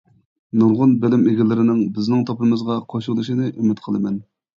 نۇرغۇن بىلىم ئىگىلىرىنىڭ بىزنىڭ توپىمىزغا قوشۇلۇشىنى ئۈمىد قىلىمەن.